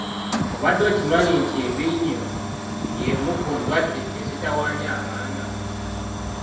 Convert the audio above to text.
Obadde okimanyi nti ebinnyo y’emu ku ndwadde ezitawaanya abaana?